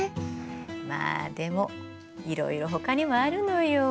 まあでもいろいろほかにもあるのよ。